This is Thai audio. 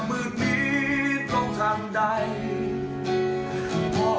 เมื่อวันที่เคยสองแสนดำมืดนี้ตรงทางใด